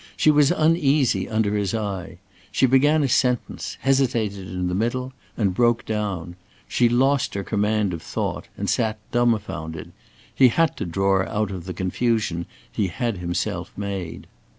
She was uneasy under his eye. She began a sentence, hesitated in the middle, and broke down. She lost her command of thought, and sat dumb founded. He had to draw her out of the confusion he had himself made.